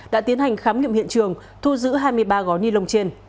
đã tiến hành khám nghiệm hiện trường thu giữ hai mươi ba gói nilon trên